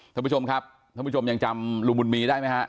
ท่านผู้ชมครับท่านผู้ชมยังจำลุงบุญมีได้ไหมฮะ